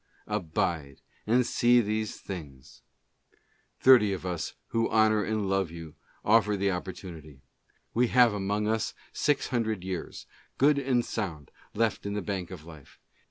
Abide, and see these things ! Thirty of us who honor and love you, offer the opportunity. We have among us six hundred years, good and sound, left in the bank of life.